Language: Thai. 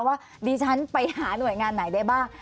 ว่าดิฉันไปหาหน่วยงานไหนได้บ้าง